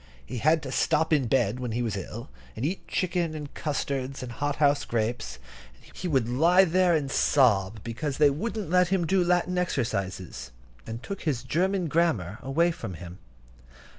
He had to stop in bed when he was ill, and eat chicken and custards and hot house grapes; and he would lie there and sob, because they wouldn't let him do Latin exercises, and took his German grammar away from him.